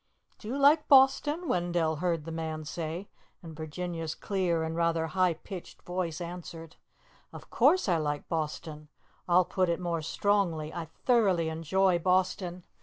"Do you like Boston?" Wendell heard the man say, and Virginia's clear and rather high pitched voice answered, "Of course I like Boston. I'll put it more strongly, I thoroughly enjoy Boston.